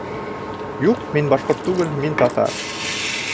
Юҡ, мин башҡорт түгел, мин татар.